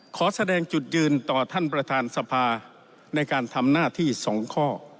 ขอแสดงจุดยืนต่อท่านประธานสภาในการทำหน้าที่๒ข้อ